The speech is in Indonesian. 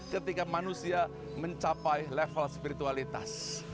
ketika manusia mencapai level spiritualitas